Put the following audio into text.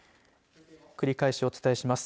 繰り返しお伝えします。